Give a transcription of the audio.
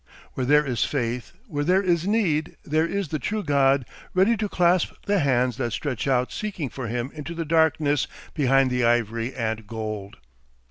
Where there is faith, where there is need, there is the True God ready to clasp the hands that stretch out seeking for him into the darkness behind the ivory and gold.